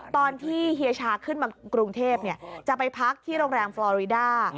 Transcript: ตอนที่เฮียชาฟอริดาขึ้นมากรุงเทพฯจะไปพักที่โรงแรมฟลอริดา